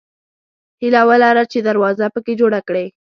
هیله ولره چې دروازه پکې جوړه کړې.